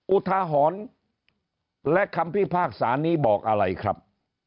อุทาหรณ์และคำพิพากษานี้บอกอะไรครับ